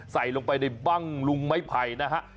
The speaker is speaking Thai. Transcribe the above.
ใส่ลงไปในบั้งลุงไม้ไผ่นะฮะ